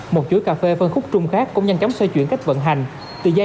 một chuỗi cà phê phân khúc trung khát cũng nhanh chóng xoay chuyển cách vận hành từ giai